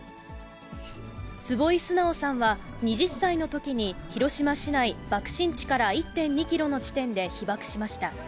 坪井直さんは２０歳のときに、広島市内、爆心地から１．２キロの地点で被爆しました。